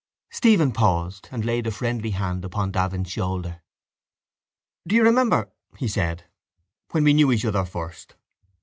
Stephen paused and laid a friendly hand upon Davin's shoulder. —Do you remember, he said, when we knew each other first?